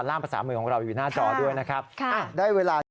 ล่ามภาษาหมื่นของเราอยู่หน้าจอด้วยนะครับได้เวลา